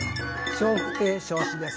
笑福亭松枝です。